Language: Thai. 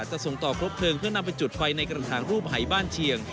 จะส่งต่อครบเพลิงเพื่อนำไปจุดไฟในกระถางรูปหายบ้านเชียง